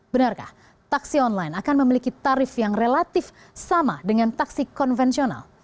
benarkah taksi online akan memiliki tarif yang relatif sama dengan taksi konvensional